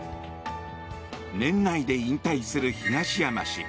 年内で引退する東山氏。